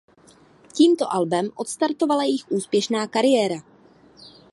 Tímto albem odstartovala jejich úspěšná kariéra.